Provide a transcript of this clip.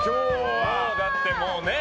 だってもうね